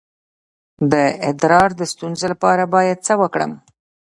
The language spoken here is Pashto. د ادرار د ستونزې لپاره باید څه وکړم؟